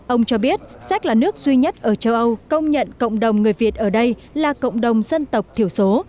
ông cho biết séc là nước duy nhất ở châu âu công nhận cộng đồng người việt ở đây là cộng đồng dân tộc thiểu số